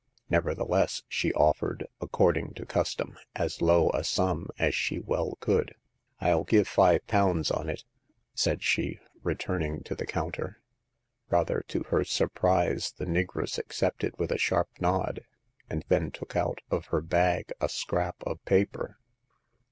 Nevertheless, she offered, ac cording to custom, as low a sum as she well could. rU give five pounds on it, said she, return ing to the counter. Rather to her surprise, the negress accepted with a sharp nod, and then took out of her bag a scrap of paper.